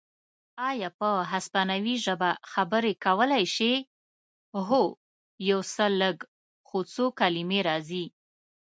ایا په اسپانوي ژبه خبرې کولای شې؟ هو، یو څه لږ، یو څو کلمې راځي.